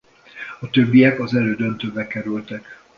A többiek az elődöntőbe kerültek.